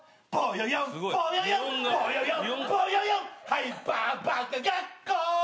「ハイパーバカ学校」